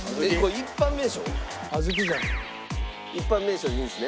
一般名称でいいんですね。